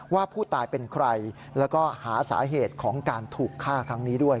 ว่าผู้ตายเป็นใครแล้วก็หาสาเหตุของการถูกฆ่าครั้งนี้ด้วย